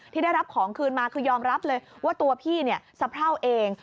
ที่ได้รับของคืนมาคือยอมรับเลยว่าตัวพี่สะเพราเอง